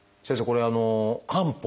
これ漢方。